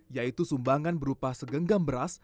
yaitu sumbangan berupa segenggam beras